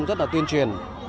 rất là tuyên truyền